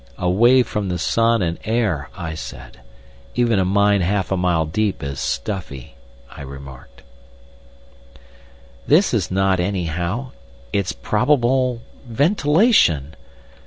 "Away from the sun and air," I said. "Even a mine half a mile deep is stuffy." "This is not, anyhow. It's probable—Ventilation!